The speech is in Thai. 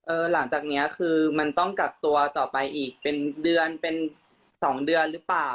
หลังจากนี้คือมันต้องกักตัวต่อไปอีกเป็นเดือนเป็น๒เดือนหรือเปล่า